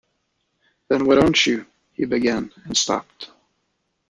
"Then why don't you —?" he began, and stopped.